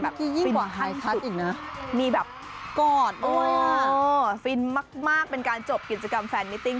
ฟินทันสุดมีแบบกอดด้วยฮะฟินมากเป็นการจบกิจกรรมแฟนมิตติ้ง